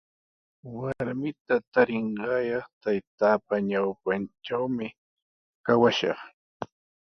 Warmita tarinqaayaq taytaapa ñawpantrawmi kawashaq.